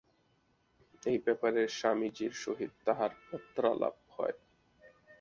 এই ব্যাপারে স্বামীজীর সহিত তাঁহার পত্রালাপ হয়।